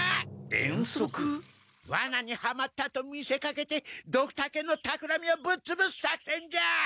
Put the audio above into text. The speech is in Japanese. ワナにはまったと見せかけてドクタケのたくらみをぶっつぶす作戦じゃ！